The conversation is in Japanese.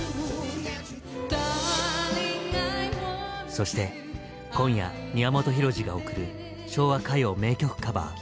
そして今夜宮本浩次が贈る「昭和歌謡名曲カバー」。